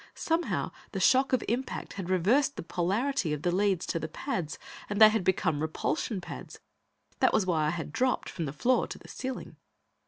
Somehow, the shock of impact had reversed the polarity of the leads to the pads, and they had become repulsion pads. That was why I had dropped from the floor to the ceiling.